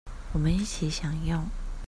我們一起享用